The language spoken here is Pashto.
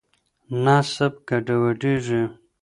نسب ګډوډېږي.